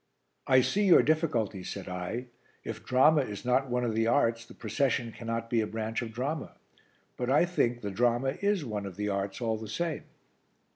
"I see your difficulty," said I. "If drama is not one of the arts, the procession cannot be a branch of drama. But I think the drama is one of the arts all the same."